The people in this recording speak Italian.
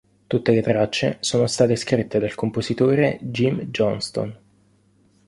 Tutte le tracce sono state scritte dal compositore Jim Johnston.